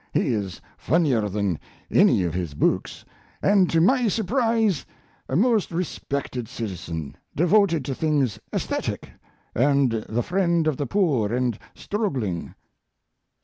He is funnier than any of his books, and to my surprise a most respected citizen, devoted to things esthetic, and the friend of the poor and struggling.